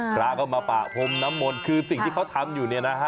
พระก็มาปะพรมน้ำมนต์คือสิ่งที่เขาทำอยู่เนี่ยนะฮะ